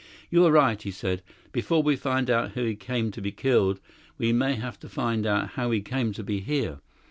"You are right," he said. "Before we find out how he came to be killed, we may have to find out how he came to be here.